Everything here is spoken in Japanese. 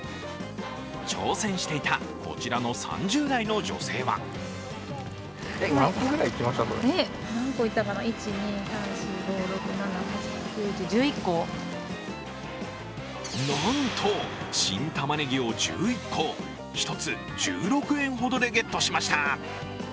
挑戦していたこちらの３０代の女性はなんと新たまねぎを１１個、１つ１６円ほどでゲットしました。